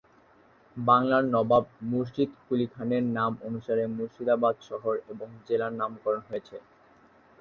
বাংলার নবাব মুর্শিদ কুলি খানের নাম অনুসারে মুর্শিদাবাদ শহর এবং জেলার নামকরণ হয়েছে।